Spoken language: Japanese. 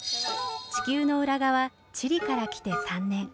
地球の裏側チリから来て３年。